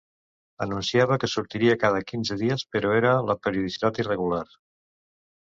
Anunciava que sortiria cada quinze dies, però era de periodicitat irregular.